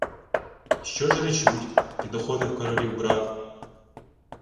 — Що ж речуть? — підохотив королів брат.